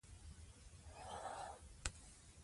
موږ تل د حق غږ پورته کړی دی.